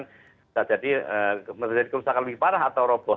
bisa jadi menjadi kerusakan lebih parah atau roboh